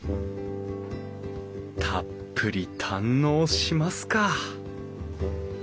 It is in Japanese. たっぷり堪能しますか！